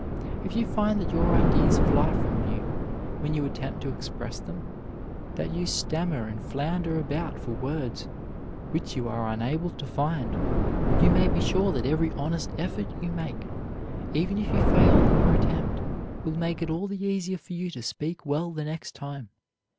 If you find that your ideas fly from you when you attempt to express them, that you stammer and flounder about for words which you are unable to find, you may be sure that every honest effort you make, even if you fail in your attempt, will make it all the easier for you to speak well the next time.